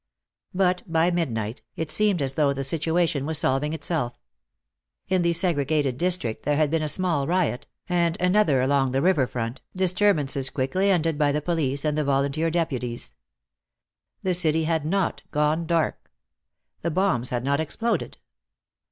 But, by midnight, it seemed as though the situation was solving itself. In the segregated district there had been a small riot, and another along the river front, disturbances quickly ended by the police and the volunteer deputies. The city had not gone dark. The bombs had not exploded.